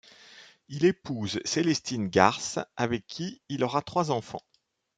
Il épouse Celestine Garth, avec qui il aura trois enfants.